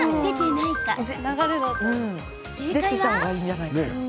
正解は。